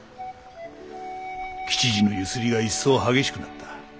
吉次のゆすりが一層激しくなった。